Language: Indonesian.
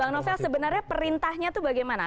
bang novel sebenarnya perintahnya itu bagaimana